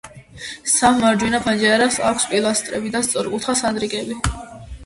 სამ მარჯვენა ფანჯარას აქვს პილასტრები და სწორკუთხა სანდრიკები.